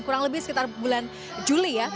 kurang lebih sekitar bulan juli ya